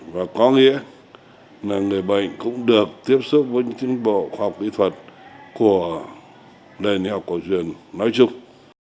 và có nghĩa là người bệnh cũng được tiếp xúc với những tiến bộ khoa học kỹ thuật của nền y học cổ truyền nói chung